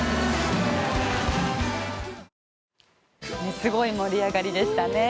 すごい盛り上がりでしたね。